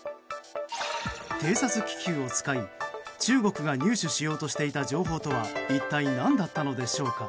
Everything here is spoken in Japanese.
偵察気球を使い、中国が入手しようとしていた情報とは一体何だったのでしょうか。